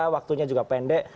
waktunya juga pendek